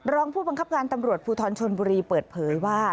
รองผู้บังคับการตำรวจภูทรชนบุรีเปิดเผยว่า